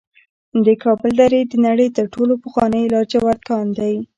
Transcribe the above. د کابل درې د نړۍ تر ټولو پخوانی د لاجورد کان دی